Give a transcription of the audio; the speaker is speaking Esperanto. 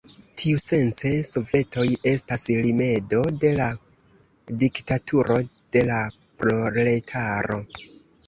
Tiusence sovetoj estas rimedo de la diktaturo de la proletaro.